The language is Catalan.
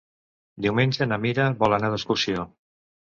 Diumenge na Mira vol anar d'excursió.